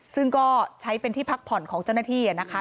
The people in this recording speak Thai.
ซึ่งก็ใช้เป็นที่พักผ่อนของเจ้าหน้าที่นะคะ